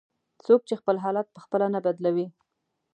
"څوک چې خپل حالت په خپله نه بدلوي".